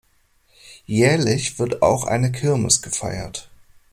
Jährlich wird auch eine Kirmes gefeiert.